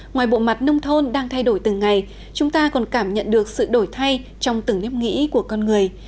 ngoài bộ mặt nông thôn đang thay đổi từng ngày chúng ta còn cảm nhận được sự đổi thay trong từng nếp nghĩ của con người